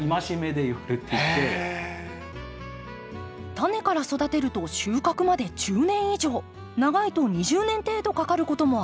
タネから育てると収穫まで１０年以上長いと２０年程度かかることもあります。